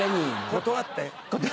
断って。